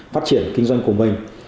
phát triển kinh doanh của mình